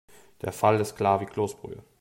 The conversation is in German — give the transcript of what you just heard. Der Fall ist klar wie Kloßbrühe.